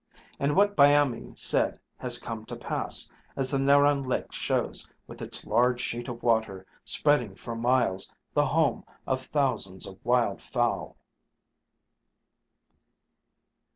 And what Byamee said has come to pass, as the Narran Lake shows, with its large sheet of water, spreading for miles, the home of thousands of wild fowl.